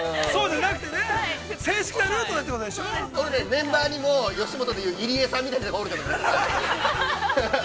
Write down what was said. メンバーに、吉本で言う、入江さんみたいなのがおるということですね。